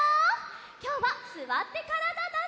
きょうは「すわってからだ☆ダンダン」！